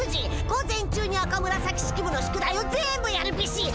午前中に赤紫式部の宿題を全部やるビシッ！